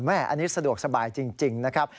อันนี้สะดวกสบายจริงนะครับ